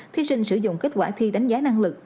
thí sinh sử dụng kết quả thi đánh giá năng lực